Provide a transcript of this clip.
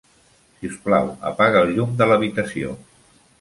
Si us plau, apaga el llum de l'habitació.